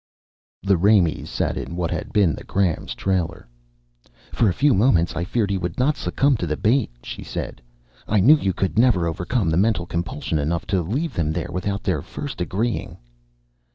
The Raimees sat in what had been the Grahams' trailer. "For a few moments, I feared he would not succumb to the bait," she said. "I knew you could never overcome the mental compulsion enough to leave them there without their first agreeing."